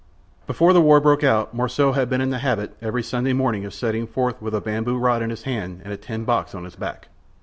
Before the war broke out Morissot had been in the habit, every Sunday morning, of setting forth with a bamboo rod in his hand and a tin box on his back.